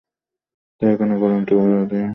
তাই এখানে গূঢ়ার্থপ্রতীতিমূলক অলঙ্কার হয়েছে।